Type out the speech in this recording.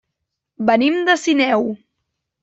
Venim de Sineu.